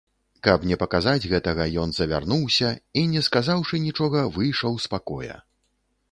Каб не паказаць гэтага, ён завярнуўся і, не сказаўшы нічога, выйшаў з пакоя.